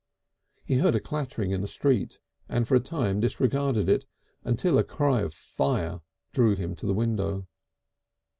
He heard a clattering in the street and for a time disregarded it, until a cry of Fire! drew him to the window.